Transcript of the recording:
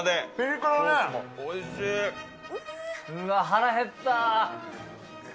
うわ、腹減った。